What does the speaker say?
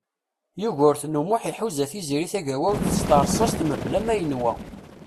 Yugurten U Muḥ iḥuza Tiziri Tagawawt s teṛsast mebla ma yenwa.